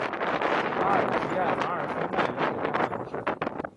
拉尔吉艾马尔松奈人口变化图示